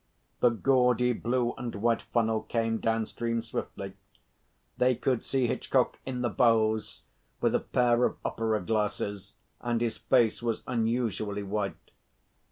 The gaudy blue and white funnel came downstream swiftly. They could see Hitchcock in the bows, with a pair of opera glasses, and his face was unusually white.